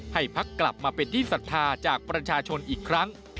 พักกลับมาเป็นที่ศรัทธาจากประชาชนอีกครั้ง